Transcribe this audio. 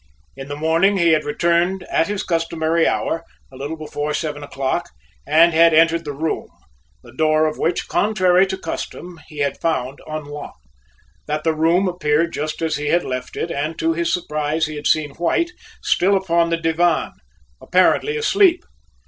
In the morning he had returned at his customary hour, a little before seven o'clock, and had entered the room, the door of which, contrary to custom, he had found unlocked. That the room appeared just as he had left it and to his surprise he had seen White still upon the divan, apparently asleep.